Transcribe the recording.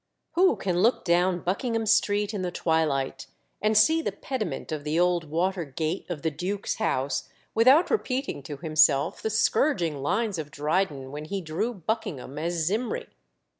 Who can look down Buckingham Street in the twilight, and see the pediment of the old water gate of the duke's house, without repeating to himself the scourging lines of Dryden when he drew Buckingham as Zimri?